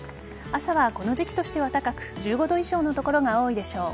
朝はこの時期としては高く１５度以上の所が多いでしょう。